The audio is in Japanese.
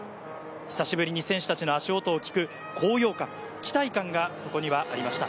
久しぶりに選手たちの足音を聞く高揚感、期待感が、そこにはありました。